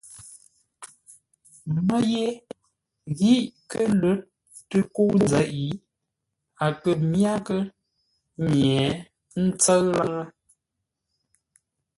Mə́ ye ghî kə́ lə̌r tə kə́u nzeʼ, a kə̂ myághʼə́ nye ńtsə́ʉ laŋə́.